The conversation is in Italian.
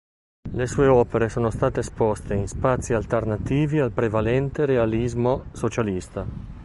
Le sue opere sono state esposte in spazi alternativi al prevalente Realismo Socialista.